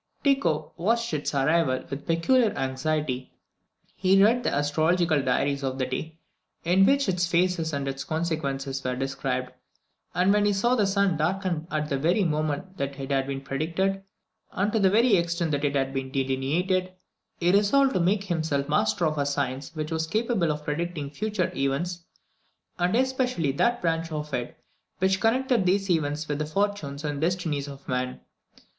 Tycho watched its arrival with peculiar anxiety. He read the astrological diaries of the day, in which its phases and its consequences were described; and when he saw the sun darkened at the very moment that had been predicted, and to the very extent that had been delineated, he resolved to make himself master of a science which was capable of predicting future events, and especially that branch of it which connected these events with the fortunes and destinies of man.